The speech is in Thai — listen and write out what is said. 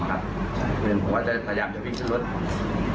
และเล่ามูลว่าจะยอมอิปาและกว้างอิปปิทำสนา